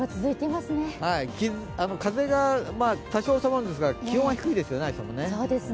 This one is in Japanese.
風が多少収まるんですが気温は低いですね、明日はね。